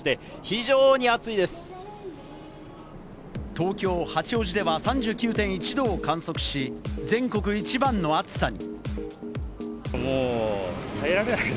東京・八王子では３９．１℃を観測し、全国一番の暑さに。